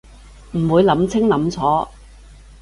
唔會諗清諗楚